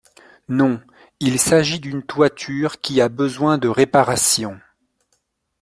Non, il s’agit d’une toiture qui a besoin de réparations…